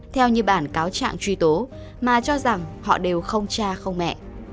theo như bản cáo trạng truy tố mà cho rằng họ đều không cha không mẹ